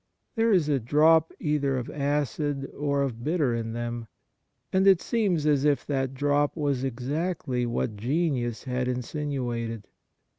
There is a drop either of acid or of bitter in them, and it seems as if that drop was exactly what genius had insinuated.